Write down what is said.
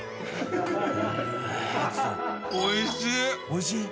おいしい。